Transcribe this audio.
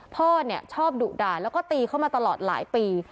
พ่อชอบดุด่าแล้วก็ตีเข้ามาตลอดหลายปี